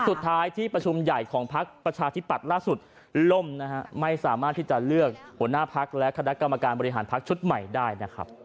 สุดท้ายที่ประชุมใหญ่ของพักประชาธิปัตย์ล่าสุดล่มนะฮะไม่สามารถที่จะเลือกหัวหน้าพักและคณะกรรมการบริหารพักชุดใหม่ได้นะครับ